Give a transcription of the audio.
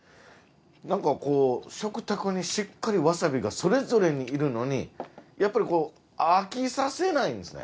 なんかこう食卓にしっかりわさびがそれぞれにいるのにやっぱり飽きさせないんですね。